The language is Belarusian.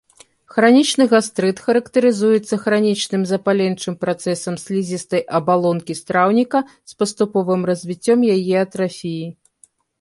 Хранічны гастрыт характарызуецца хранічным запаленчым працэсам слізістай абалонкі страўніка з паступовым развіццём яе атрафіі.